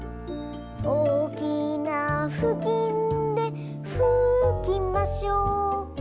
「おおきなふきんでふきましょう」